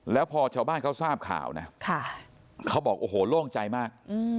แล้วพอชาวบ้านเขาทราบข่าวนะเขาบอกโอ้โหโล่งใจมาก